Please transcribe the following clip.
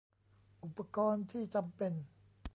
อุปกรณ์ที่จำเป็น